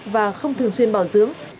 và không thường xuyên bảo dưỡng